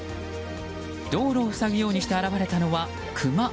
道路を塞ぐようにして現れたのはクマ。